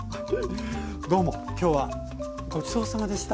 どうも今日はごちそうさまでした。